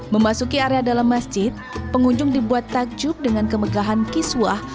memasuki area dalam masjid pengunjung dibuat takjub dengan kemegahan kiswah